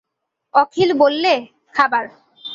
অখিল বললে, খাবার।